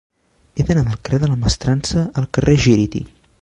He d'anar del carrer de la Mestrança al carrer Gíriti.